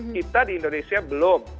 kita di indonesia belum